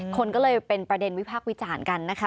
คนก็เลยเป็นประเด็นวิพากษ์วิจารณ์กันนะคะ